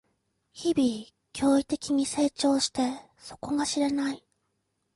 日々、驚異的に成長して底が知れない